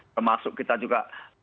termasuk kita juga